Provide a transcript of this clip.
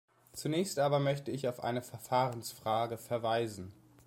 Zunächst aber möchte ich auf eine Verfahrensfrage verweisen.